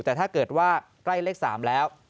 แต่ถ้าเกิดว่าใกล้เลข๓แล้ว